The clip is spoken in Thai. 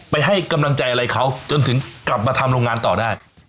ให้กำลังใจอะไรเขาจนถึงกลับมาทำโรงงานต่อได้